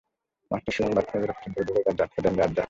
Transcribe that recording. Master Suman বাথরুমে গেলে পেছন থেকে ভুলে দরজা আটকে দেন রাজ্জাক।